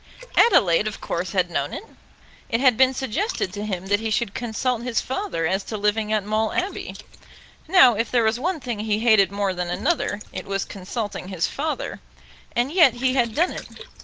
Adelaide of course had known it. It had been suggested to him that he should consult his father as to living at Maule Abbey. Now if there was one thing he hated more than another, it was consulting his father; and yet he had done it.